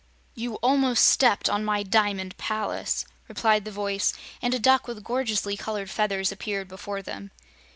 "You almost stepped on my Diamond Palace," replied the voice, and a duck with gorgeously colored feathers appeared before them.